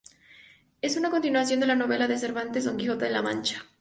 Es una continuación de la novela de Cervantes "Don Quijote de la Mancha".